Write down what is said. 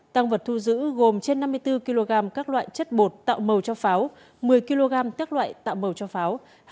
tăng vật thu giữ gồm trên năm mươi bốn kg các loại chất bột tạo màu cho pháo một mươi kg các loại tạo màu cho pháo